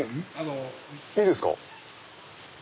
いいですか？